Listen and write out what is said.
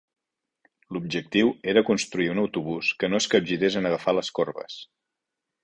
L'objectiu era construir un autobús que no es capgirés en agafar les corbes.